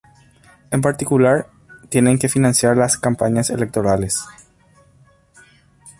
En particular, tienen que financiar las campañas electorales.